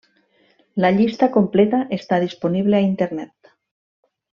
La llista completa està disponible a internet.